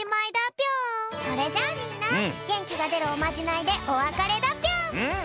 それじゃあみんなげんきがでるおまじないでおわかれだぴょん！